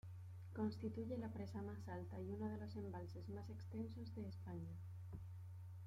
Constituye la presa más alta y uno de los embalses más extensos de España.